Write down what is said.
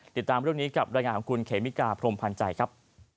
ติดตามเรื่องนี้กับรายงานของคุณเขมิกาพรมพันธ์ใจครับ